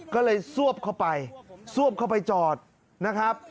ก็เลยซวบเข้าไปซวบเข้าไปจอดนะครับ